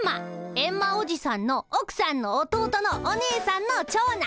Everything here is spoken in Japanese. エンマおじさんのおくさんの弟のお姉さんの長男。